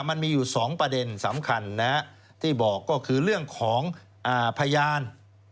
มันมีอยู่๒ประเด็นสำคัญที่บอกก็คือเรื่องของพยาน